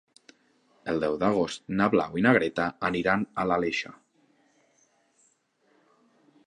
El deu d'agost na Blau i na Greta aniran a l'Aleixar.